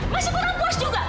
masih kurang puas juga